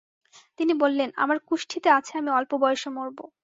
তিনি বললেন, আমার কুষ্ঠীতে আছে আমি অল্প বয়সে মরব।